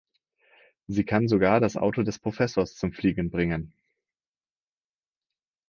Sie kann sogar das Auto des Professors zum Fliegen bringen.